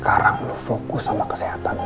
kamu dibesarkan sama kesehatan lo